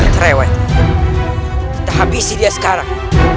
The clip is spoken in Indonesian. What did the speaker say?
terewet kita habisi dia sekarang